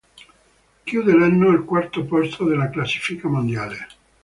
Chiude l'anno al quarto posto della classifica mondiale.